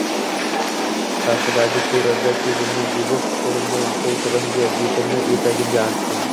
Tashqidagi ko‘rada yuzimni yuvib, qo‘limni qo‘ltig‘imga, betimni etagimga artdim